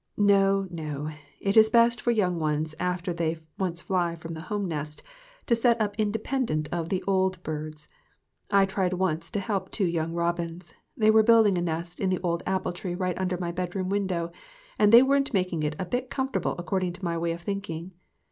No, no; it is best for young ones after they once fly from the home nest to set up independent of the old birds. GOOD BREAD AND GOOD MEETINGS. 2Q I tried once to help two young robins. They were building a nest in the old apple tree right under my bedroom window, and they weren't making it a bit comfortable according to my way of thinking.